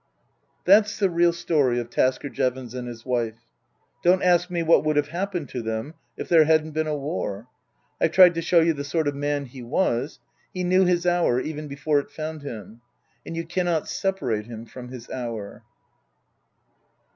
That's the real story of Tasker Jevons and his wife. Don't ask me what would have happened to them if there hadn't been a war. I've tried to show you the sort of man he was. He knew his hour even before it found him. And you cannot separate him from his hour.